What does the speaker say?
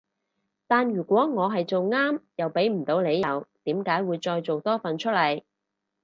但如果我係做啱又畀唔到理由點解會再做多份出嚟